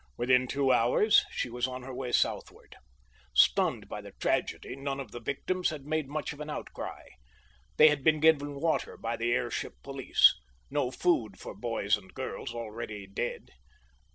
Within two hours she was on her way southward. Stunned by the tragedy, none of the victims had made much of an outcry. They had been given water by the airship police. No food for boys and girls already dead.